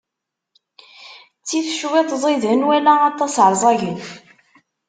Ttif cwiṭ ẓiden, wala aṭas ṛẓagen.